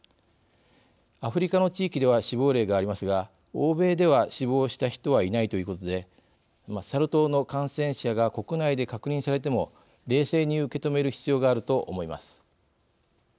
アフリカの地域では死亡例がありますが欧米では死亡した人はいないということでサル痘の感染者が国内で確認されても冷静に受け止める必要があると思います。